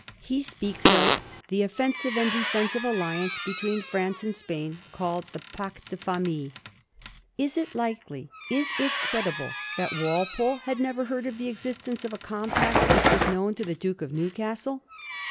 He speaks of 'Hhe offensive and defensive alliance between France and Spain, called the p<icte defamilleJ*^ Is it likely, is it credi ble, that Walpole had never heard of the existence of a compact which was known to the Duke of Newcastle?